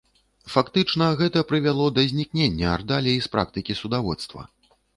Фактычна гэта прывяло да знікнення ардалій з практыкі судаводства.